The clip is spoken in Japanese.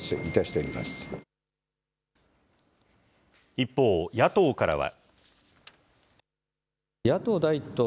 一方、野党からは。